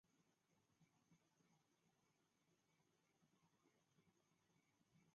মুক্তিযুদ্ধের সময়ের অত্যন্ত জনপ্রিয় অনুষ্ঠান 'চরমপত্র' ও 'জল্লাদের দরবার' মুক্তিযোদ্ধাদের অনেক অনুপ্রাণিত করেছিল।